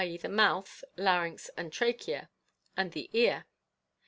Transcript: e„ the mouth, larynx and trachea— and the ear.